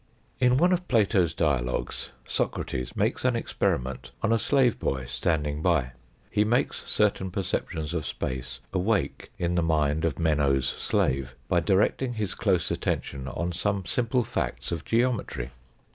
In one of Plato's dialogues Socrates makes an experi ment on a slave boy standing by. He makes certain 250 THE FOURTH DIMENSION perceptions of space awake in the mind of Meno's slave by directing his close attention on some simple facts of geometry.